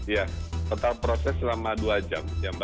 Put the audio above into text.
ya total proses selama dua jam